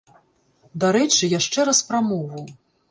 Дарэчы, яшчэ раз пра мову.